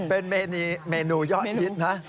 เป็นเมนูยอดฮิตนะ